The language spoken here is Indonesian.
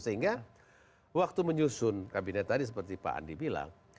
sehingga waktu menyusun kabinet tadi seperti pak andi bilang